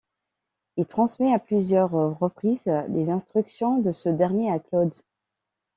Il transmet à plusieurs reprises les instructions de ce dernier à Claude.